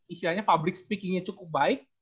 istilahnya public speaking nya cukup baik